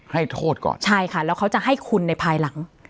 ให้โทษก่อนใช่ค่ะแล้วเขาจะให้คุณในภายหลัง